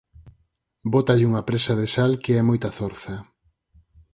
Bótalle unha presa de sal que é moita zorza.